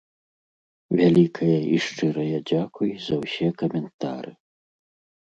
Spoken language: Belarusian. Вялікае і шчырае дзякуй за ўсе каментары.